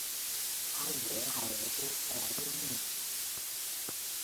它以俄亥俄州托莱多命名。